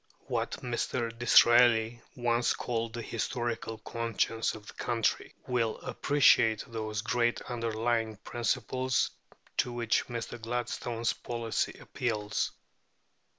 What Mr. Disraeli once called the historical conscience of the country will appreciate those great underlying principles to which Mr. Gladstone's policy appeals.